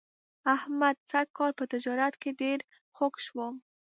احمد سږ کال په تجارت کې ډېر خوږ شو.